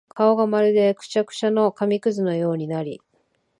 顔がまるでくしゃくしゃの紙屑のようになり、